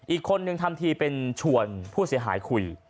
อีกคนนึงทำทีเป็นชวนผู้เสียหายคุย